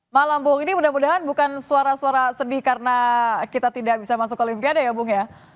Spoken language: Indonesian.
malam bu ini mudah mudahan bukan suara suara sedih karena kita tidak bisa masuk olimpiade ya bung ya